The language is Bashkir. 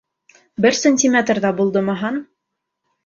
Бер сантиметр ҙа булдымы һан?